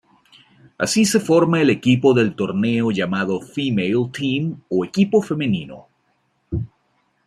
Así se forma el equipo del torneo llamado "Female Team" o equipo femenino.